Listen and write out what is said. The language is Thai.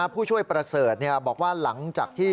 ผู้ช่วยประเสริฐ